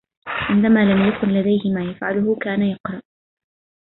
عندما لم يكن لديه ما يفعله كان يقرأ.